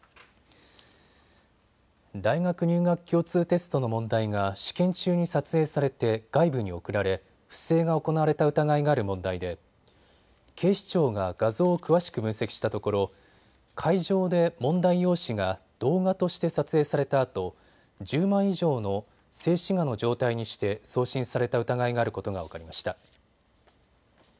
大学入学共通テストの問題が試験中に撮影されて外部に送られ不正が行われた疑いがある問題で警視庁が画像を詳しく分析したところ会場で問題用紙が動画として撮影されたあと１０枚以上の静止画の状態にして送信された疑いがあることが分かりました。